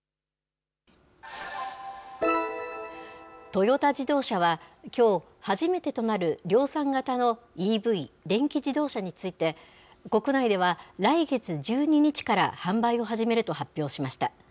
トヨタ自動車は、きょう、初めてとなる量産型のＥＶ・電気自動車について、国内では来月１２日から販売を始めると発表しました。